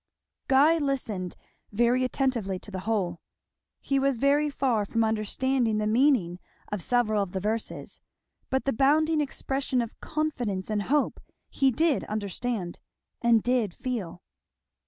'" Guy listened very attentively to the whole. He was very far from understanding the meaning of several of the verses, but the bounding expression of confidence and hope he did understand, and did feel.